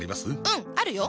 うんあるよ！